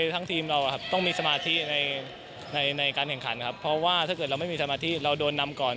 ทั้งทีมเราต้องมีสมาธิในการแข่งขันครับเพราะว่าถ้าเกิดเราไม่มีสมาธิเราโดนนำก่อน